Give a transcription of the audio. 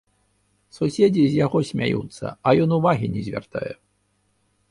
Суседзі з яго смяюцца, а ён увагі не звяртае.